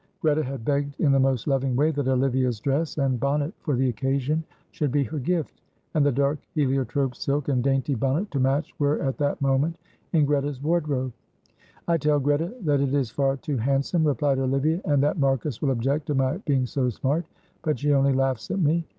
Greta had begged in the most loving way that Olivia's dress and bonnet for the occasion should be her gift, and the dark heliotrope silk and dainty bonnet to match were at that moment in Greta's wardrobe. "I tell Greta that it is far too handsome," replied Olivia, "and that Marcus will object to my being so smart, but she only laughs at me.